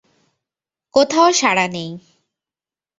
কোথাও সাড়া নেই।